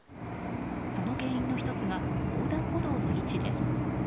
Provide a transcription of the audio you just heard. その原因の１つが横断歩道の位置です。